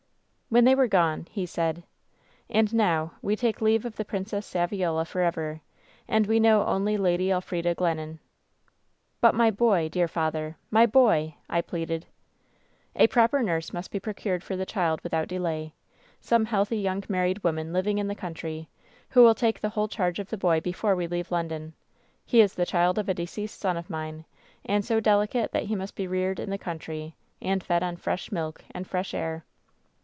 "When they were gone, he said :" 'And now we take leave of the Princess Saviola for ever, and we know only Lady Elfrida Glennon.^ " 'But my boy, dear father — my boy !' I pleaded. " 'A proper nurse must be procured for the child without delay — some healthy young married woman liv ing in the country, who will take the whole charge of the boy before we leave London. He is the child of a deceased son of mine, and so delicate that he must be reared in the country, and fed on fresh milk and fresh air.'